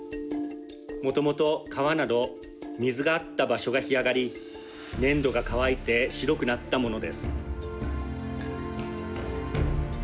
もともと川など水があった場所が干上がり粘土が乾いて白くなったものです。